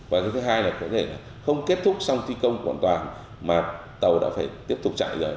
và thứ hai là không kết thúc xong thi công hoàn toàn mà tàu đã phải tiếp tục chạy rồi